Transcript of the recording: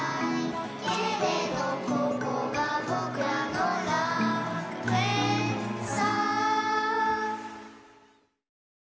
「ここがぼくらの楽園さ」